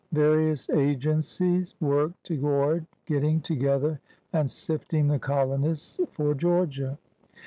Various agencies worked toward getting together and sifting the colonists for Georgia.